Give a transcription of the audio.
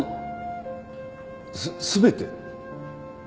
す全て？